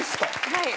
はい。